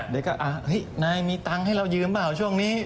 เดี๋ยวก็นายมีตังค์ให้เรายืมเปล่าช่วงนี้